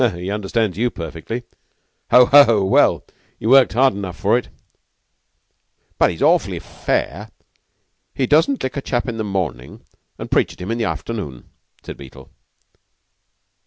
"He understands you perfectly. Ho! ho! Well, you worked hard enough for it." "But he's awfully fair. He doesn't lick a chap in the morning an' preach at him in the afternoon," said Beetle.